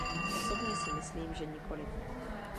Osobně si myslím, že nikoliv.